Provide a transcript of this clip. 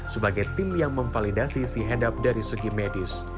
sebagai tim yang memvalidasi si hedap dari segi medis